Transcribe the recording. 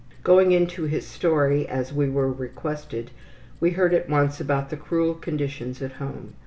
Going into his story, as we were requested, we heard at once about the cruel conditions at home.